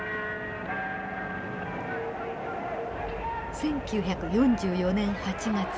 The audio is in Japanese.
１９４４年８月。